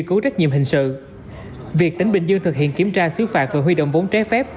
cứu trách nhiệm hình sự việc tỉnh bình dương thực hiện kiểm tra xứ phạt và huy động vốn trái phép